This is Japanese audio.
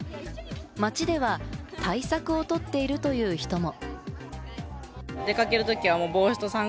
街では対策をとっているという人も。